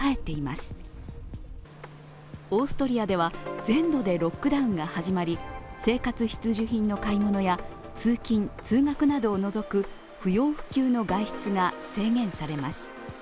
オーストリアでは全土でロックダウンが始まり、生活必需品の買い物や通勤・通学などを除く不要不急の外出が制限されます。